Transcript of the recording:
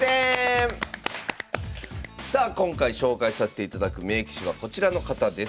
今回紹介させていただく名棋士はこちらの方です。